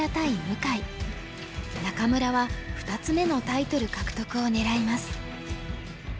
仲邑は２つ目のタイトル獲得を狙います。